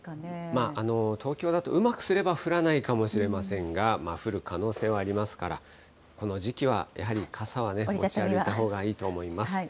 まあ、東京だとうまくすれば降らないかもしれませんが、降る可能性はありますから、この時期はやはり傘は持ち歩いたほうがいいと思います。。